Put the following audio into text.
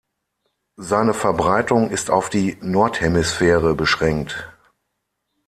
Seine Verbreitung ist auf die Nordhemisphäre beschränkt.